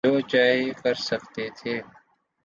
جو چاہے کر سکتے تھے۔